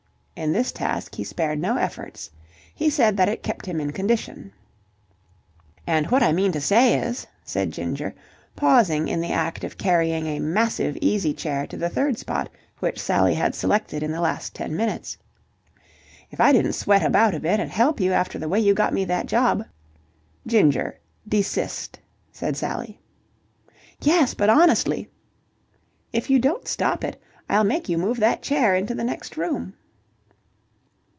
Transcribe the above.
In this task, he spared no efforts. He said that it kept him in condition. "And what I mean to say is," said Ginger, pausing in the act of carrying a massive easy chair to the third spot which Sally had selected in the last ten minutes, "if I didn't sweat about a bit and help you after the way you got me that job..." "Ginger, desist," said Sally. "Yes, but honestly..." "If you don't stop it, I'll make you move that chair into the next room."